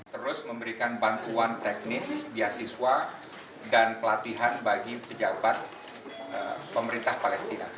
terus memberikan bantuan teknis beasiswa dan pelatihan bagi pejabat pemerintah palestina